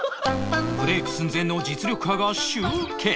ブレーク寸前の実力派が集結